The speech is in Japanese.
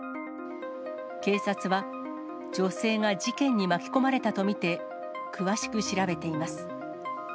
警察は、女性が事件に巻き込まれたと見て、詳しく調べています。